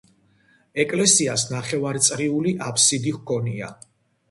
ეკლესიას ნახევარწრიული აფსიდი ჰქონია.